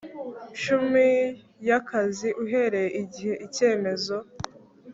cumi y akazi uhereye igihe icyemezo